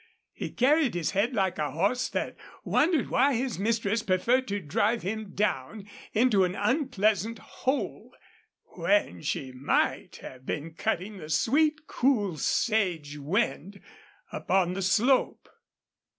He carried his head like a horse that wondered why his mistress preferred to drive him down into an unpleasant hole when she might have been cutting the sweet, cool sage wind up on the slope.